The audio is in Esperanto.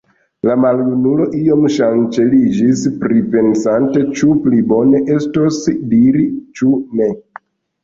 La maljunulo iom ŝanceliĝis, pripensante, ĉu pli bone estos diri, ĉu ne.